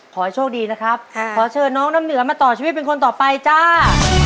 ขอให้โชคดีนะครับขอเชิญน้องน้ำเหนือมาต่อชีวิตเป็นคนต่อไปจ้า